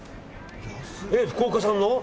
福岡産の？